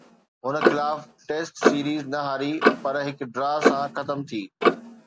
هن خلاف test series نه هاري، پر هڪ ڊرا سان ختم ٿي.